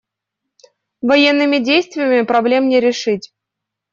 Военными действиями проблем не решить.